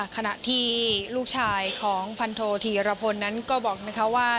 ขณะที่ลูกชายของพันโทธีรพลนั้นก็บอกนะคะว่า